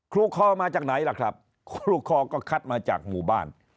ครูคอมาจากไหนล่ะครับครูคอก็คัดมาจากหมู่บ้าน